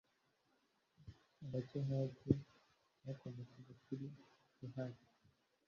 abakehati bakomokaga kuri kehati,